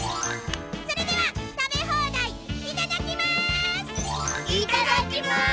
それでは食べ放題いただきます！